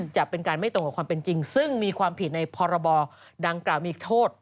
จะเป็นการไม่ตรงกับความเป็นจริงซึ่งมีความผิดในพรบดังกล่าวมีโทษ